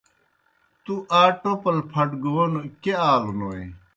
تُوْ آ ٹوپل پھٹگون کیْہ آلوْنوئے؟